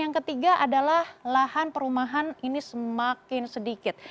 yang ketiga adalah lahan perumahan ini semakin sedikit